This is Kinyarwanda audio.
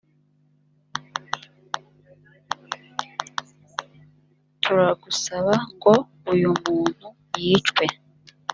turagusaba ngo uyu muntu yicwe